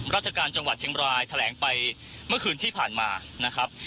ราชการจังหวัดเชียงบรายแถลงไปเมื่อคืนที่ผ่านมานะครับ